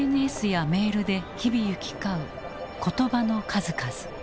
ＳＮＳやメールで日々行き交う言葉の数々。